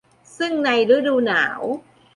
ซึ่งในฤดูหนาว